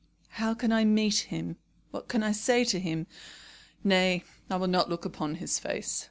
How can I meet him? What can I say to him? Nay, I will not look upon his face.